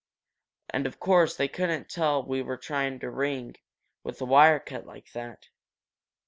And of course, they couldn't tell we were trying to ring, with the wire cut like that."